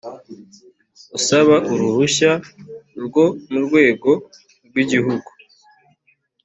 usaba uruhushya rwo mu rwego rw igihugu